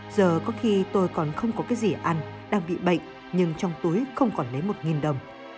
giờ có khi tôi còn không có cái gì ăn đang bị bệnh nhưng trong túi không còn lấy một đồng